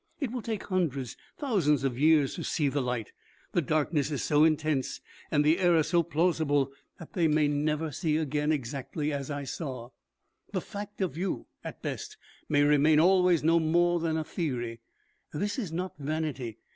It will take hundreds, thousands of years to see the light. The darkness is so intense and the error so plausible that they may never see again exactly as I saw. The fact of you, at best, may remain always no more than a theory. This is not vanity.